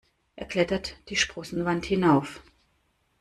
Er klettert die Sprossenwand hinauf.